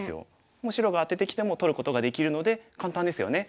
もう白がアテてきても取ることができるので簡単ですよね。